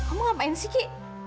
wih kamu ngapain sih ki